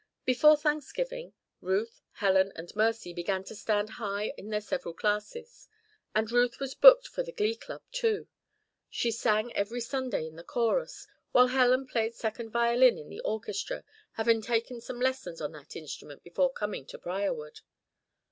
Before Thanksgiving, Ruth, Helen, and Mercy began to stand high in their several classes. And Ruth was booked for the Glee Club, too. She sang every Sunday in the chorus, while Helen played second violin in the orchestra, having taken some lessons on that instrument before coming to Briarwood.